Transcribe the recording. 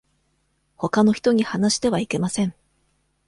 ほかの人に話してはいけません。